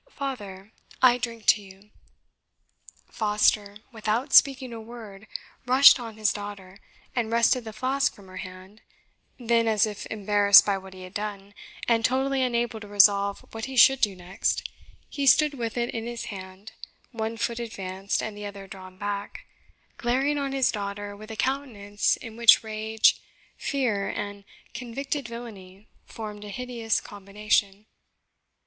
Father, I drink to you." Foster, without speaking a word, rushed on his daughter and wrested the flask from her hand; then, as if embarrassed by what he had done, and totally unable to resolve what he should do next, he stood with it in his hand, one foot advanced and the other drawn back, glaring on his daughter with a countenance in which rage, fear, and convicted villainy formed a hideous combination.